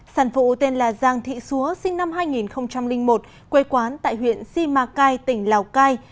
sản phụ tên là giang thị xúa sinh năm hai nghìn một quê quán tại huyện si ma cai tỉnh lào cai